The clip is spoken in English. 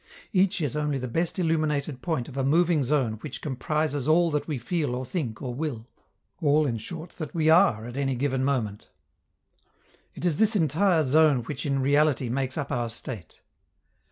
Each is only the best illuminated point of a moving zone which comprises all that we feel or think or will all, in short, that we are at any given moment. It is this entire zone which in reality makes up our state.